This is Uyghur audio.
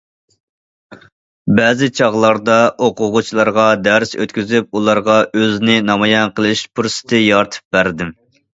بەزى چاغلاردا ئوقۇغۇچىلارغا دەرس ئۆتكۈزۈپ ئۇلارغا ئۆزىنى نامايان قىلىش پۇرسىتى يارىتىپ بەردىم.